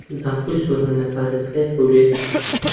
زانکۆی سۆران لە پارێزگای هەولێر